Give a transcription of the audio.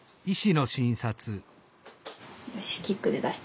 よしキックで出して。